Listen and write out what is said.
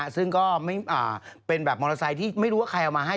ซึ่งก็เป็นแบบมอเตอร์ไซค์ที่ไม่รู้ว่าใครเอามาให้